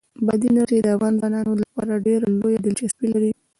بادي انرژي د افغان ځوانانو لپاره ډېره لویه دلچسپي لري.